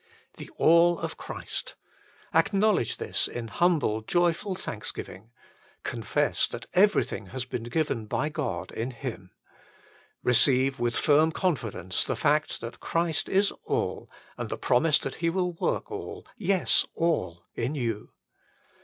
The All of Christ, Acknowledge this in humble joyful thanksgiving : confess that every thing has been given by God in Him. Eeceive with firm confidence the fact that Christ is all and the promise that He will work all, yes, all, in you.